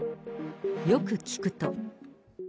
よく聞くと。